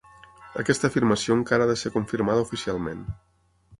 Aquesta afirmació encara ha de ser confirmada oficialment.